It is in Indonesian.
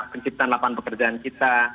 penciptaan lapan pekerjaan kita